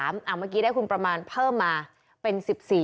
เมื่อกี้ได้คุณประมาณเพิ่มมาเป็น๑๔